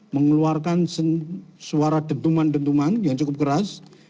mengeluarkan suara dentuman dentuman yang cukup keras